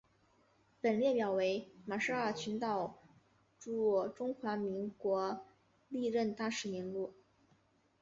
本列表为马绍尔群岛驻中华民国历任大使名录。